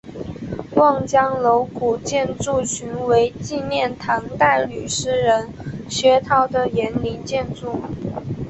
望江楼古建筑群为纪念唐代女诗人薛涛的园林建筑。